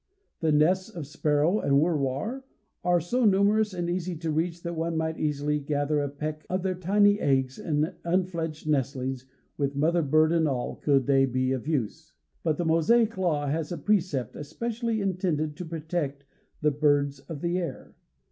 The nests of sparrow and "wŭr war" are so numerous and easy to reach that one might easily gather a peck of their tiny eggs, and unfledged nestlings, with mother bird and all, could they be of use. But the Mosaic Law has a precept especially intended to protect the "birds of the air."